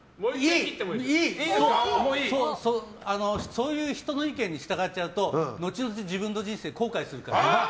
そういう人の意見に従っちゃうと後々自分の人生後悔するから。